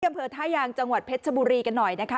อำเภอท่ายางจังหวัดเพชรชบุรีกันหน่อยนะคะ